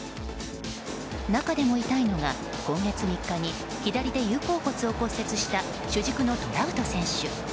中でも痛いのが、今月３日に左手有鉤骨を骨折した主軸のトラウト選手。